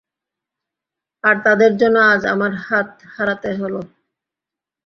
আর তাদের জন্য আজ আমার হাত হারাতে হল।